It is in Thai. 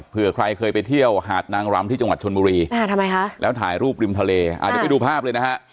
เพื่อใครเคยไปเที่ยวหาดนางรำที่จังหวัดชนบุรีแล้วถ่ายรูปริมทะเลอ่าเดี๋ยวไปดูภาพเลยนะฮะ